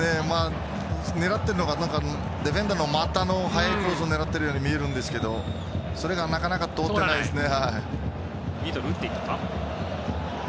狙っているのかディフェンダーの股の速いクロスを狙っているように見えるけどそれがなかなか届かないですね。